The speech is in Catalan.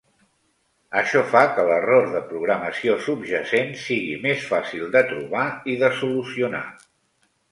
Això fa que l'error de programació subjacent sigui més fàcil de trobar i de solucionar.